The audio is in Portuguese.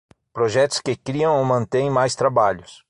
Projetos que criam ou mantêm mais trabalhos.